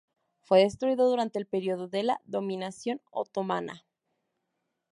Fue destruido durante el período de la dominación otomana.